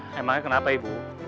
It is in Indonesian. emangnya kenapa ibu